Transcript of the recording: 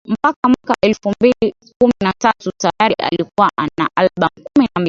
Mpaka mwaka elfu mbili kumi na tatu tayari alikuwa na albamu kumi na mbili